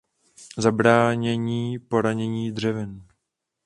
Zabránění poranění dřevin.